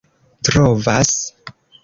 trovas